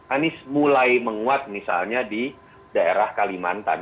anies mulai menguat misalnya di daerah kalimantan